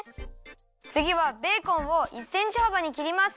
つぎはベーコンを１センチはばにきります。